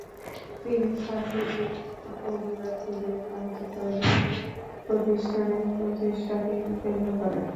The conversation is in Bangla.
তিনি সাম্প্রতিক অভিবাসীদের সাহায্য করার জন্য প্রতিষ্ঠানের প্রচেষ্টাকে কেন্দ্র করে।